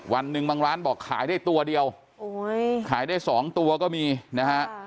วันหนึ่งบางร้านบอกขายได้ตัวเดียวขายได้สองตัวก็มีนะฮะ